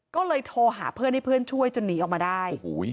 ก็เลยโทรหาเพื่อนให้เพื่อนช่วยจนหนีออกมาได้